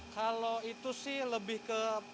kalau itu sih lebih ke